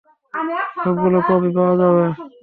সবগুলোর কপি পাওয়া যাবে?